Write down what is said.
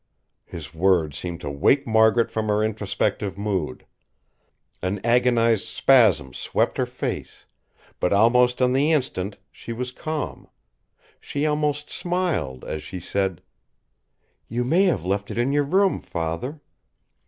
His words seemed to wake Margaret from her introspective mood. An agonised spasm swept her face; but almost on the instant she was calm. She almost smiled as she said: "You may have left it in your room, Father.